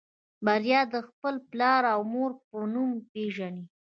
بريا خپل پلار او مور په نوم پېژني.